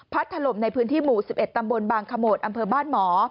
ถล่มในพื้นที่หมู่๑๑ตำบลบางขโมดอำเภอบ้านหมอ